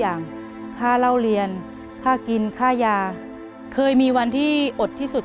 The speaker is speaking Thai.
รายการต่อไปนี้เป็นรายการทั่วไปสามารถรับชมได้ทุกวัย